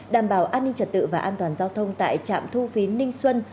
đảm bảo an ninh trật tự và an toàn giao thông tại trạm thu phí ninh xuân